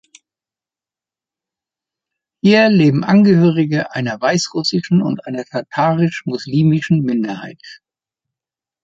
Hier leben Angehörige einer weißrussischen und einer tatarisch-muslimischen Minderheit.